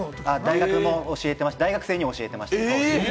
大学生に教えていました。